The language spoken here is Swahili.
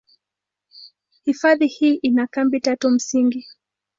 Hifadhi hii ina kambi tatu msingi.